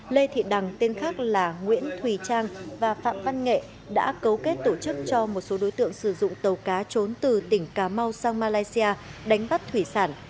lê thị đằng tên khác là nguyễn thùy trang và phạm văn nghệ đã cấu kết tổ chức cho một số đối tượng sử dụng tàu cá trốn từ tỉnh cà mau sang malaysia đánh bắt thủy sản